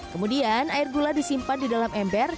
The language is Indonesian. kemudian air gula disimpan di dalam ember